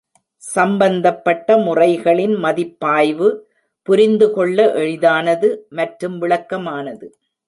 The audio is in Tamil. சம்பந்தப்பட்ட முறைகளின் மதிப்பாய்வு புரிந்து கொள்ள எளிதானது மற்றும் விளக்கமானது.